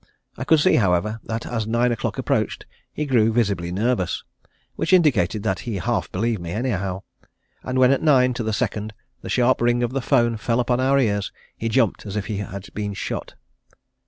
I could see, however, that as nine o'clock approached he grew visibly nervous, which indicated that he half believed me anyhow, and when at nine to the second the sharp ring of the 'phone fell upon our ears he jumped as if he had been shot.